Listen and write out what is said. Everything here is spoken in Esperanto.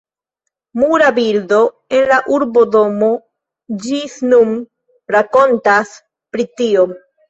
Mura bildo en la urbodomo ĝis nun rakontas pri tio.